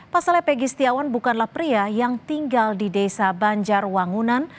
pasalnya pegi setiawan bukanlah pria yang tinggal di desa banjarwangunan